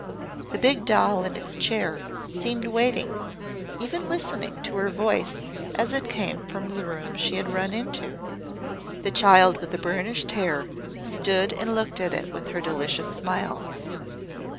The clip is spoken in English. The big doll in its chair seemed waiting even listening to her voice as it came from the room she had run into. The child with the burnished hair stood and looked at it with her delicious smile.